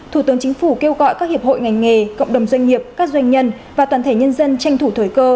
thủ tướng chính phủ kêu gọi các hiệp hội ngành nghề cộng đồng doanh nghiệp các doanh nhân và toàn thể nhân dân tranh thủ thời cơ